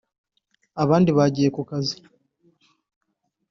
abandi bagiye ku kazi